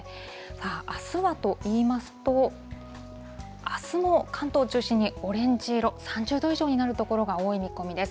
あすはといいますと、あすも関東中心にオレンジ色、３０度以上になる所が多い見込みです。